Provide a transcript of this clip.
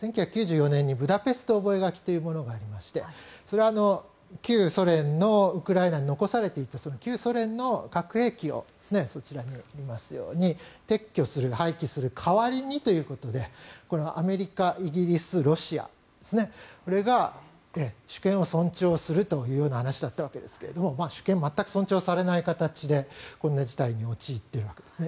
１９９４年にブダペスト覚書というものがありましてそれはウクライナに残されていた旧ソ連の核兵器を撤去する、廃棄する代わりにということでアメリカ、イギリス、ロシアこれが主権を尊重するという話だったわけですが主権全く尊重されない形でこんな事態に陥っているわけです。